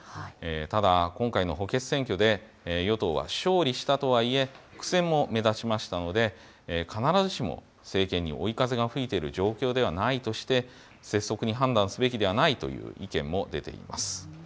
ただ、今回の補欠選挙で与党は勝利したとはいえ苦戦も目立ちましたので、必ずしも政権に追い風が吹いている状況ではないとして、拙速に判断すべきではないという意見も出ています。